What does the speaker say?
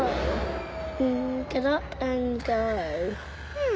うん！